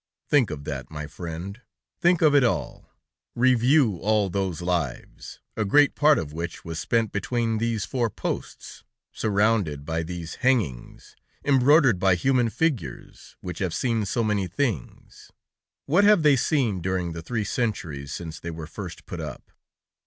Think of that, my friend; think of it all; review all those lives, a great part of which was spent between these four posts, surrounded by these hangings embroidered by human figures, which have seen so many things. What have they seen during the three centuries since they were first put up?